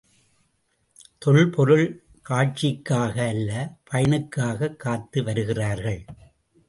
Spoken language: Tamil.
தொல்பொருள் காட்சிக்காக அல்ல பயனுக்காகக் காத்து வருகிறார்கள்.